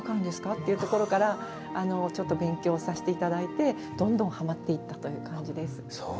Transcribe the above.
というところからちょっと勉強させていただいてどんどんハマっていったという感じです。